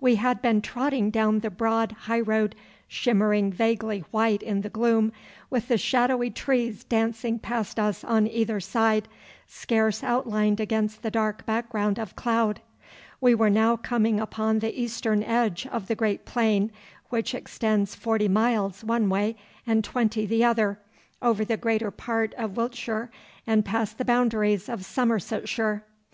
We had been trotting down the broad high road shimmering vaguely white in the gloom, with the shadowy trees dancing past us on either side, scarce outlined against the dark background of cloud. We were now coming upon the eastern edge of the great plain, which extends forty miles one way and twenty the other, over the greater part of Wiltshire and past the boundaries of Somersetshire.